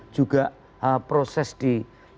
juga proses di